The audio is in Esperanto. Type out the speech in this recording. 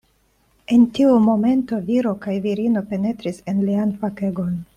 En tiu momento viro kaj virino penetris en lian fakegon.